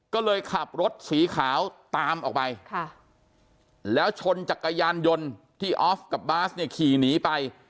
ก็เลยขับรถสีขาวตามออกไปแล้วชนจักรยานยนต์ที่ออฟกับบาสเนี่ยขี่หนีไป